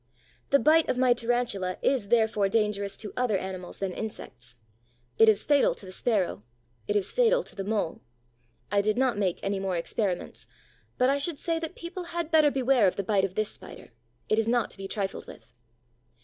The bite of my Tarantula is therefore dangerous to other animals than insects: it is fatal to the Sparrow, it is fatal to the Mole. I did not make any more experiments, but I should say that people had better beware of the bite of this Spider. It is not to be trifled with.